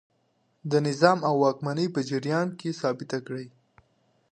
د نظام او واکمنۍ په جریان کې ثابته کړه.